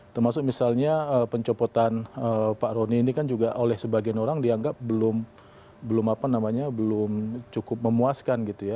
termasuk misalnya pencopotan pak roni ini kan juga oleh sebagian orang dianggap belum cukup memuaskan gitu ya